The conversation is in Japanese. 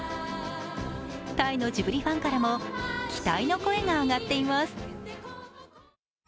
タイのジブリファンからも期待の声が上がっています。